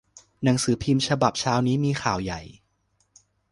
หนังสือพิมพ์ฉบับเช้านี้มีข่าวใหญ่